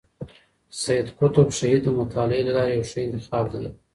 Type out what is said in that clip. سید قطب شهید د مطالعې لپاره یو ښه انتخاب دی.